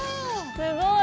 すごい！